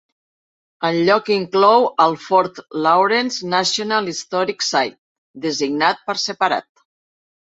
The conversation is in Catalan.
El lloc inclou el Fort Lawrence National Historic Site, designat per separat.